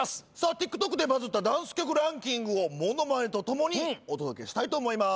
ＴｉｋＴｏｋでバズったダンス曲ランキングをものまねと共にお届けしたいと思います。